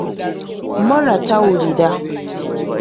Moraa tawulira.